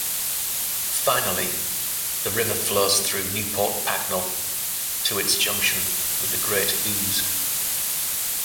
Finally, the river flows through Newport Pagnell to its junction with the Great Ouse.